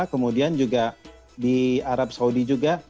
kemudian juga di arab saudi juga